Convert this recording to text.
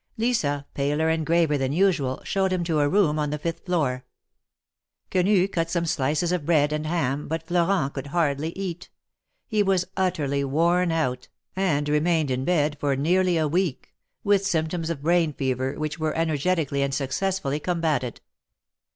Lisa, paler and graver than usual, showed him to a room on the fifth floor. Quenu cut some slices of bread and ham, but Florent could hardly eat ; he was utterly worn out, and IS THE MAEKETS OF PAEIS. remained in bed for nearly a week, with symptoms of brain J fever, which were energetically and successfully combated.